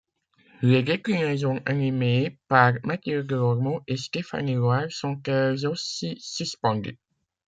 Les déclinaisons animées par Matthieu Delormeau et Stéphanie Loire sont elles aussi suspendues.